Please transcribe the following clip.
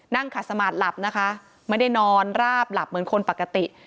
นั่งขัดสมาธิหลับนะคะไม่ได้นอนราบหลับเหมือนคนปกติ